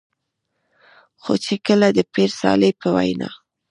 خو چې کله د پير صالح په وېنا